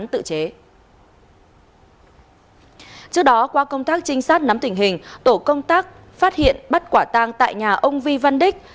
trước đó qua công tác trinh sát nắm tình hình tổ công tác phát hiện bắt quả tang tại nhà ông vi văn đích